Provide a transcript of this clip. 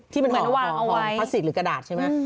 ที่มันเหมาะของพลาสิกหรือกระดาษใช่ไหม